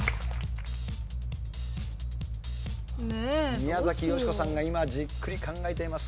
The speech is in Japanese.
宮崎美子さんが今じっくり考えています。